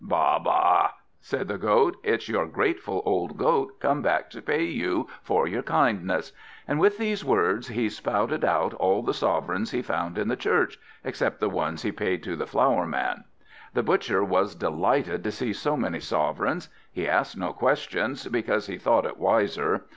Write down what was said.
"Baa! baa!" said the Goat; "it's your grateful old Goat, come back to pay you for your kindness." And with these words, he spouted out all the sovereigns he found in the church, except the one he paid to the flower man. The Butcher was delighted to see so many sovereigns: he asked no questions, because he thought it wiser.